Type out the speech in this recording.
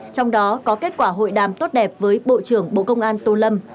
trong đó có kết quả hội đàm tốt đẹp với bộ trưởng bộ công an tô lâm